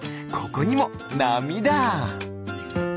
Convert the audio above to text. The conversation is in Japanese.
ここにもなみだ！